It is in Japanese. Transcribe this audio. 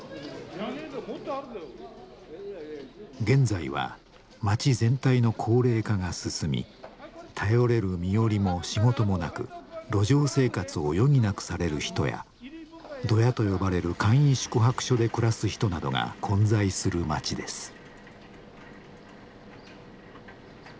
現在は街全体の高齢化が進み頼れる身寄りも仕事もなく路上生活を余儀なくされる人やドヤと呼ばれる簡易宿泊所で暮らす人などが混在する街です。